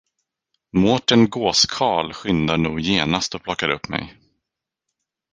Mårten gåskarl skyndar nog genast och plockar upp mig.